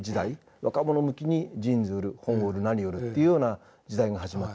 若者向きにジーンズ売る本を売る何売るっていうような時代が始まってると。